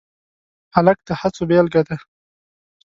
هلک د هڅو بیلګه ده.